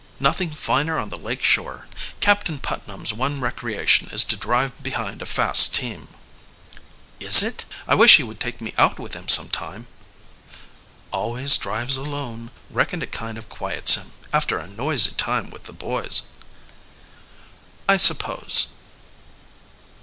"Nothing finer on the lake shore. Captain Putnam's one recreation is to drive behind a fast team." "Is it? I wish he would take me out with him some time." "Always drives alone. Reckon it kind of quiets him, after a noisy time with the boy." "I suppose."